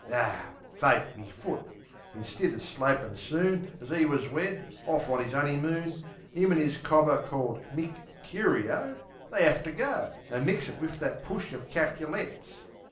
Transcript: Aw! Fate me foot! Instid of slopin' soon As 'e was wed, off on 'is 'oneymoon, 'Im an' 'is cobber, called Mick Curio, They 'ave to go An' mix it wiv that push o' Capulets.